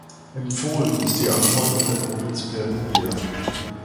Empfohlen ist ihr Anbau in der Provinz Perugia.